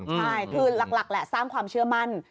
ใช่คือหลักแหละสร้างความเชื่อมั่น